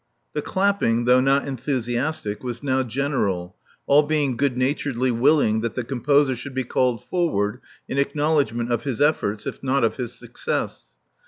The clapping, though not enthusiastic, was now general, all being good naturedly willing that the com poser should be called forward in acknowledgment of his efforts, if not of his success.